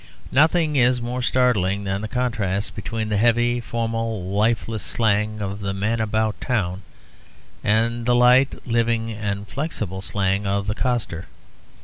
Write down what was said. Nothing is more startling than the contrast between the heavy, formal, lifeless slang of the man about town and the light, living, and flexible slang of the coster.